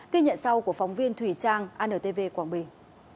kinh nhận sau của phóng viên thủy trang antv quang bình